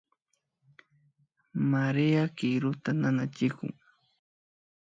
María kiruta nanachikun